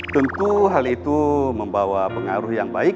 tentu hal itu membawa pengaruh yang baik